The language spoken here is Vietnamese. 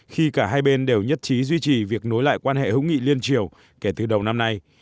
khi cả hai bên đều nhất trí duy trì việc nối lại quan hệ hữu nghị liên triều kể từ đầu năm nay